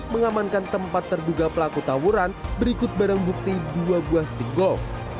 mengamankan tempat terduga pelaku tawuran berikut barang bukti dua buah stick golf